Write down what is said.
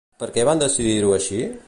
Per què van decidir-ho així?